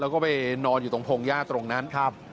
แล้วก็ไปนอนอยู่ตรงพงหญ้าตรงนั้นครับ